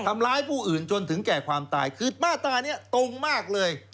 ทำร้ายผู้อื่นจนถึงแก่ความตายคือมาตรานี้ตรงมากเลย